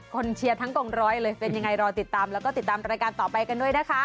เชียร์ทั้งกองร้อยเลยเป็นยังไงรอติดตามแล้วก็ติดตามรายการต่อไปกันด้วยนะคะ